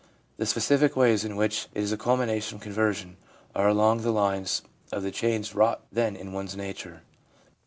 The specific ways in which it is a culmination of conversion are along the lines of the changes wrought then in one's nature.